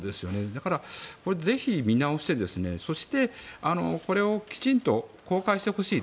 だから、これぜひ見直してそしてこれをきちんと公開してほしい。